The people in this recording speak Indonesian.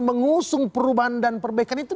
mengusung perubahan dan perbaikan itu